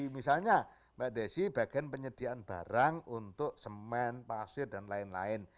misalnya mbak desi bagian penyediaan barang untuk semen pasir dan lain lain